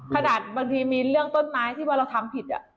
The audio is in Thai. ขนาดบางทีมีเรื่องต้นไม้ที่ว่าเราทำผิด